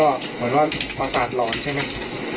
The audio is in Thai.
แล้วก็เหมือนว่าภาษาหล่อนใช่ไหม